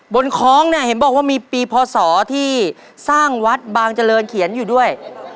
คล้องเนี่ยเห็นบอกว่ามีปีพศที่สร้างวัดบางเจริญเขียนอยู่ด้วย